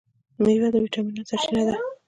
میوې د ویټامینونو سرچینه ده.